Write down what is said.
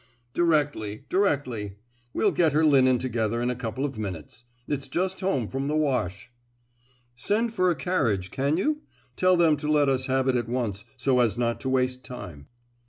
"Directly, directly. We'll get her linen together in a couple of minutes—it's just home from the wash!" "Send for a carriage—can you? Tell them to let us have it at once, so as not to waste time."